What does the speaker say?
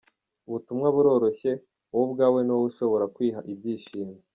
Ubutumwa buroroshye, wowe ubwawe ni wowe ushobora kwiha ibyishimo.